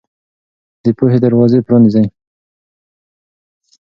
د پوهې دروازې پرانيزئ.